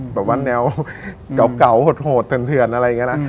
แบบว่าแนวเก่าโหดเถื่อนอะไรอย่างนี้นะ